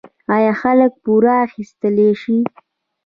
آیا خلک پور اخیستلی شي؟